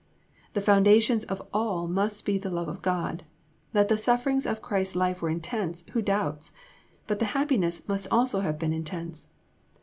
"The foundation of all must be the love of God. That the sufferings of Christ's life were intense, who doubts? but the happiness must also have been intense.